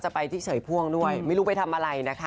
ไปที่เฉยพ่วงด้วยไม่รู้ไปทำอะไรนะคะ